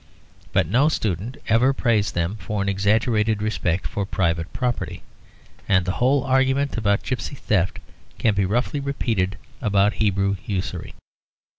But no student ever praised them for an exaggerated respect for private property, and the whole argument about gipsy theft can be roughly repeated about Hebrew usury.